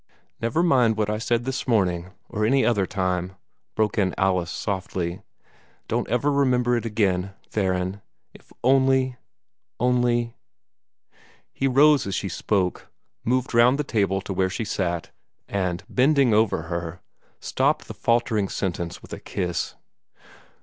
"Never mind what I said this morning or any other time," broke in Alice, softly. "Don't ever remember it again, Theron, if only only " He rose as she spoke, moved round the table to where she sat, and, bending over her, stopped the faltering sentence with a kiss.